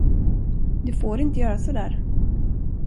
Du får inte göra sådär!